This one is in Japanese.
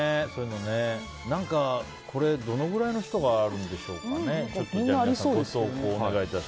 これ、どのぐらいの人があるんでしょうかね。